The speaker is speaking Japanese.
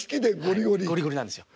ゴリゴリなんですよ。